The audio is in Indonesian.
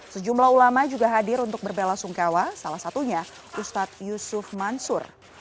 sejumlah ulama juga hadir untuk berbela sungkawa salah satunya ustadz yusuf mansur